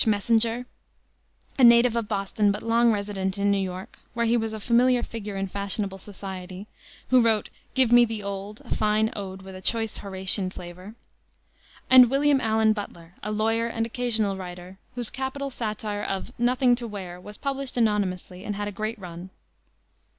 Messinger, a native of Boston, but long resident in New York, where he was a familiar figure in fashionable society, who wrote Give Me the Old, a fine ode with a choice Horatian flavor; and William Allen Butler, a lawyer and occasional writer, whose capital satire of Nothing to Wear was published anonymously and had a great run.